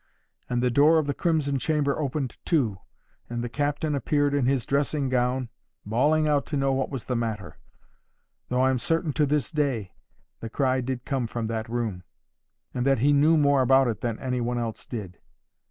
And the door of the crimson chamber opened too, and the captain appeared in his dressing gown, bawling out to know what was the matter; though I'm certain, to this day, the cry did come from that room, and that he knew more about it than any one else did.